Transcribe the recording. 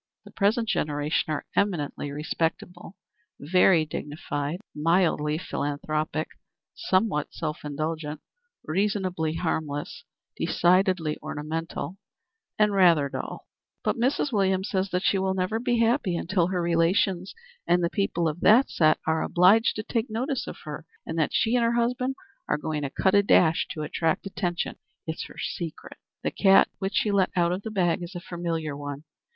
The present generation are eminently respectable, very dignified, mildly philanthropic, somewhat self indulgent, reasonably harmless, decidedly ornamental and rather dull." "But Mrs. Williams says that she will never be happy until her relations and the people of that set are obliged to take notice of her, and that she and her husband are going to cut a dash to attract attention. It's her secret." "The cat which she let out of the bag is a familiar one.